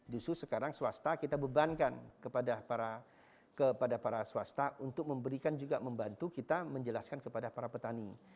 justru sekarang swasta kita bebankan kepada para swasta untuk memberikan juga membantu kita menjelaskan kepada para petani